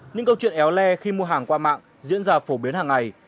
những câu chuyện éo le khi mua hàng qua mạng diễn ra phổ biến hàng ngày